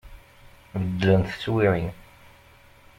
Beddlent teswiɛin.